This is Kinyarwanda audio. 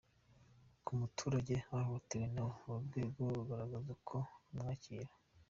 Ku muturage wahohotewe nawe, uru rwego rugaragaza ko rumwakira.